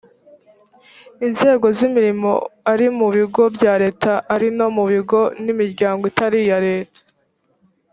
inzego z’imirimo ari mu bigo bya leta ari no mu bigo n’imiryango itari iya leta